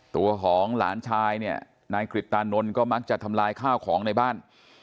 ตัวของหลานชายเนี่ยนายกริตตานนท์ก็มักจะทำลายข้าวของในบ้าน